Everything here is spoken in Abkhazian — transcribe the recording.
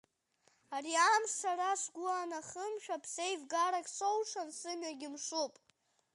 Ари амш сара сгәы анахымшәа, ԥсеивгарак соушан, сымҩагьы мшуп.